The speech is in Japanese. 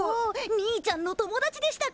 兄ちゃんの友達でしたか。